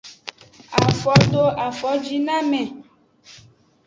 Afodoafojinoame.